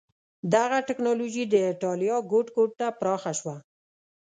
دغه ټکنالوژي د اېټالیا ګوټ ګوټ ته پراخه شوه.